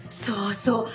そうそう！